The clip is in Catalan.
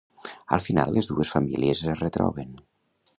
Al final, les dues famílies es retroben.